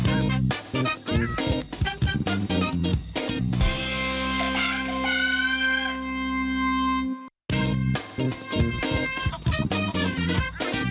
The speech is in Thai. โอ้โหโอ้โหโอ้โห